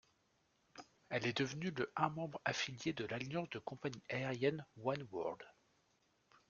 Elle est devenue le un membre affilié de l'alliance de compagnies aériennes Oneworld.